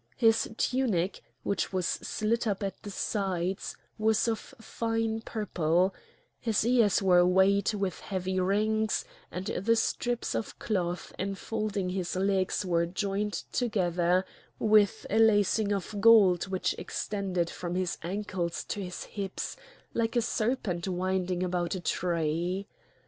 His tunic, which was slit up the sides, was of fine purple; his ears were weighted with heavy rings; and the strips of cloth enfolding his legs were joined together with a lacing of gold which extended from his ankles to his hips, like a serpent winding about a tree.